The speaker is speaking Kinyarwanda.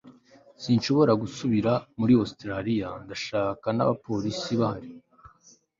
sinshobora gusubira muri ositaraliya ndashaka n'abapolisi bahari